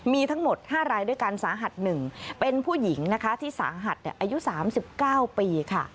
มีทั้งหมด๕รายด้วยกันสาหัส๑เป็นผู้หญิงนะคะที่สาหัสอายุ๓๙ปีค่ะ